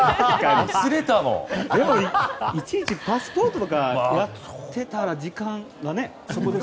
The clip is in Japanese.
でも、いちいちパスポートとかやってたら時間がね。